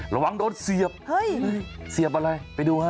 ระวังโดนเสียบเสียบอะไรไปดูฮะ